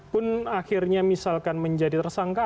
pun akhirnya misalkan menjadi tersangka